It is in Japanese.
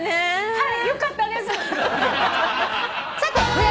はい。